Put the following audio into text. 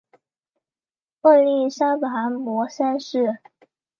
曷利沙跋摩三世。